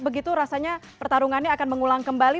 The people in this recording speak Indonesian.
begitu rasanya pertarungannya akan mengulang kembali